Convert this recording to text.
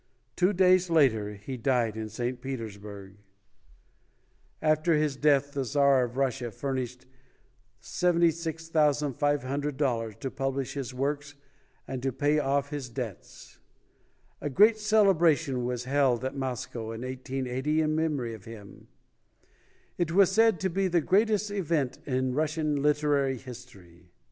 Two days later he died in St. Petersburg. After his death the Czar of Russia furnished $76,500 to publish his works and to pay off his debts. A great celebration was held at Moscow in 1880 in memory of him. It was said to be the greatest event in Russian literary history.